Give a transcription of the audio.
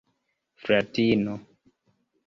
fratino